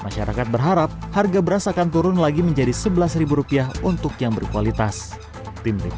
masyarakat berharap harga beras akan turun lagi menjadi sebelas lima ratus rupiah untuk yang berkualitas super sudah matang